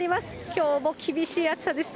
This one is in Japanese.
きょうも厳しい暑さです。